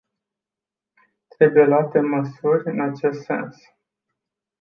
Trebuie luate măsuri în acest sens.